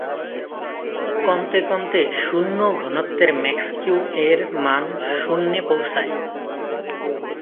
কমতে কমতে শুন্য ঘনত্বে ম্যাক্স কিউ এর মান শূন্যে পৌছায়।